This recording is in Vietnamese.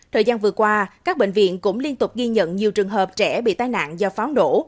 thời gian vừa qua các bệnh viện cũng liên tục ghi nhận nhiều trường hợp trẻ bị tai nạn do pháo nổ